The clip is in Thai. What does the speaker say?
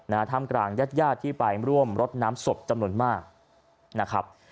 ท่ามกลางยาดที่ไปร่วมรสน้ำสดจำหน่วนมากนะครับ